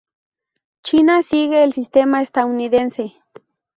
China sigue el sistema estadounidense.